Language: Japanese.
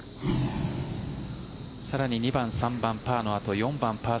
更に２番、３番、パーのあと４番、パー３。